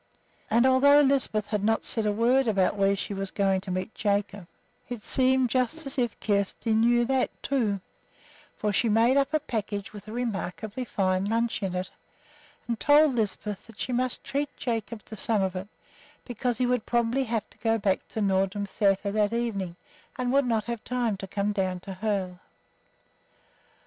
And although Lisbeth had not said a word about where she was going to meet Jacob, it seemed just as if Kjersti knew that, too; for she made up a package with a remarkably fine lunch in it, and told Lisbeth that she must treat Jacob to some of it, because he would probably have to go back to Nordrum Sæter that evening and would not have time to come down to Hoel.